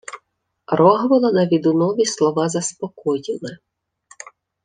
Рогволода відунові слова заспокоїли.